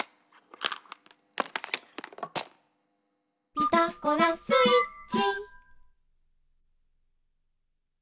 「ピタゴラスイッチ」